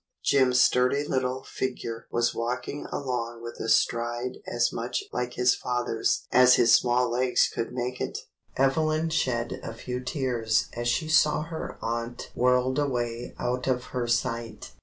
Jim's sturdy little figure was walking along with a stride as much like his father's as his small legs could make it. Evelyn shed a few tears as she saw her aunt whirled away out of her sight.